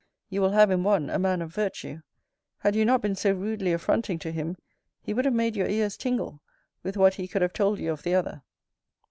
You will have in one, a man of virtue. Had you not been so rudely affronting to him, he would have made your ears tingle with what he could have told you of the other.